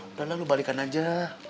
udah lah lu balikan aja